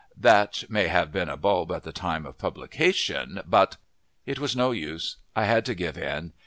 That may have been a bulb at the time of publication, but " It was no use. I had to give in.